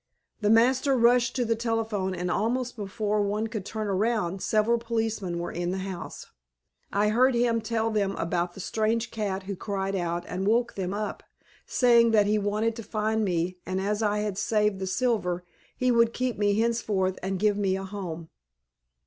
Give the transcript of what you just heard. The master rushed to the telephone and almost before one could turn around, several policemen were in the house. I heard him tell them about the strange cat who cried out and woke them up, saying that he wanted to find me and as I had saved the silver, he would keep me henceforth and give me a home.